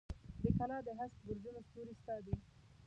د کلا د هسک برجونو ستوري ستا دي